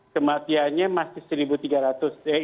kematiannya masih satu tiga ratus